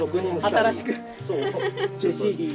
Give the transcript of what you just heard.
新しく。